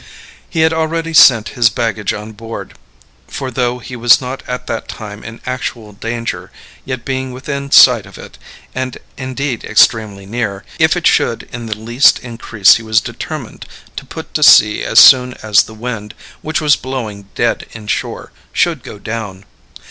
He had already sent his baggage on board, for though he was not at that time in actual danger, yet being within sight of it, and indeed extremely near, if it should in the least increase he was determined to put to sea as soon as the wind, which was blowing dead inshore, should go down.